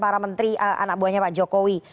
para menteri anak buahnya pak jokowi